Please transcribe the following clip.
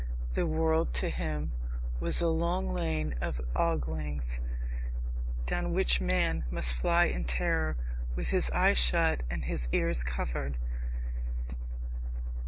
The world to him was a long lane of oglings, down which man must fly in terror with his eyes shut and his ears covered.